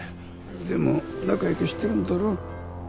でも仲良くしてるんだろ？